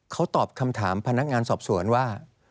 เขาตอบคำถามพนักงานสอบสวนว่า